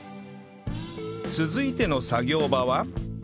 続いての作業場は